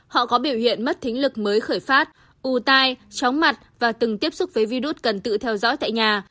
họ có biểu hiện mất thính lực mới khởi phát u tai chóng mặt và từng tiếp xúc với virus cần tự theo dõi tại nhà